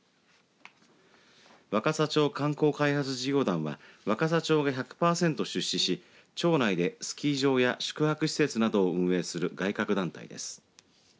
若桜町観光開発事業団は若桜町が１００パーセント出資し町内でスキー場や宿泊施設などを運営する外郭団体です。